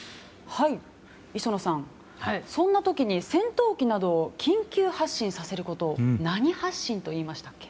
磯野さん、そんな時に戦闘機などを緊急発進させることを何発進と言いましたっけ？